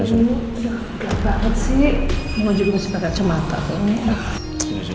ini udah gelap banget sih